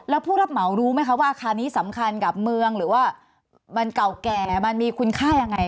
แล้วผู้รับเหมารู้ไหมคะว่าอาคารนี้สำคัญกับเมืองหรือว่ามันเก่าแก่มันมีคุณค่ายังไง